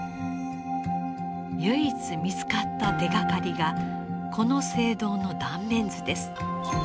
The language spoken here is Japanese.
唯一見つかった手がかりがこの聖堂の断面図です。